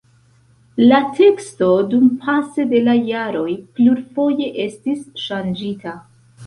La teksto dumpase de la jaroj plurfoje estis ŝanĝita.